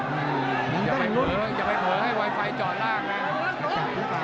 อย่าไปเผลอให้ไวไฟจอดลากนะ